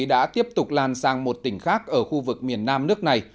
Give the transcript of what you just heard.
đã tiếp tục lan sang một tỉnh khác ở khu vực miền nam nước này